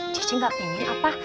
cici gak pengen apa